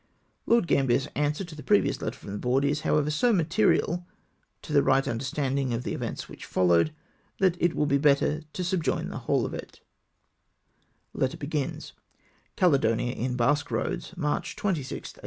Lord Gambler's answer to the previous letter from the Board is, however, so material to the right under standing of the events which followed, that it will be better to subjoin the whole of it " Caledoaia, in Basque Eoads, '' Marcli 26tli, 1809.